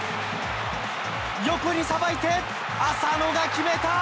横にさばいて、浅野が決めた。